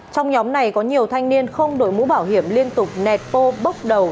trong nhóm này có nhiều thanh niên không đội mũ bảo hiểm liên tục nẹt pô bốc đầu